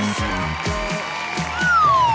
ยังไหวสิ่งที่เราไม่เห็น